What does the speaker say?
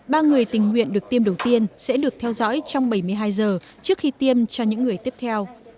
ba người tình nguyện được tiêm đầu tiên sẽ được theo dõi trong bảy mươi hai giờ trước khi tiêm cho những người tiếp theo